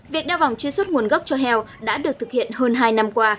việc đeo vòng truy xuất nguồn gốc cho heo đã được thực hiện hơn hai năm qua